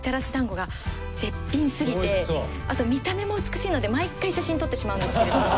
あと見た目も美しいので毎回写真撮ってしまうんですけれども。